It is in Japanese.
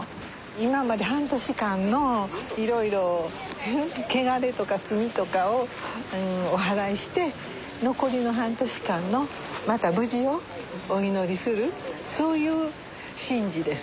今まで半年間のいろいろ汚れとか罪とかをおはらいして残りの半年間のまた無事をお祈りするそういう神事です。